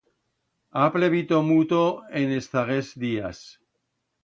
Ha plevito muto en es zaguers días.